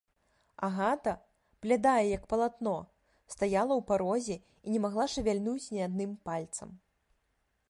Агата, блядая, як палатно, стаяла ў парозе і не магла шавяльнуць ні адным пальцам.